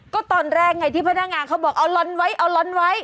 ก็ตอนแรกไงที่พนักงานเขาบอกเอาลอนไว้เอาลอนไว้